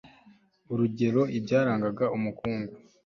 urugero ibyarangaga umukungu